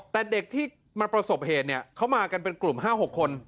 แต่เด็กที่มาสอบเหตุเขามากันน่ะเป็นกลุ่ม๕๖คน